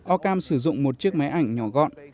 ockham sử dụng một chiếc máy ảnh nhỏ gọn